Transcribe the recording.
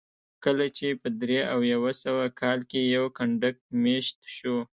کله چې په درې او یو سوه کال کې یو کنډک مېشت شو